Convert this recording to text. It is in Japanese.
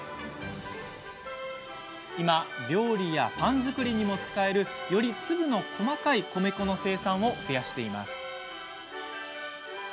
今、料理やパン作りにも使えるより粒の細かい米粉の生産を増やしています。